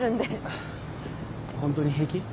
ホントに平気？